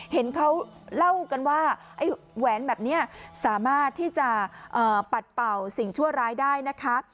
เห็นเขาเล่ากันว่าไอ้แหวนแบบนี้สามารถที่จะปัดเป่าสิ่งชั่วร้ายได้นะคะ